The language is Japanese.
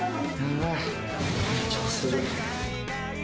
緊張する。